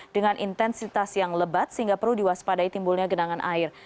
dengan intensitas yang lebat sehingga perlu diwaspadai timbulnya genangan air